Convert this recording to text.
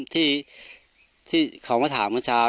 ที่ประกอบกี่เท่าไหร่